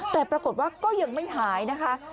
แต่ปรากฏว่าก็ยังไม่หายนะคะ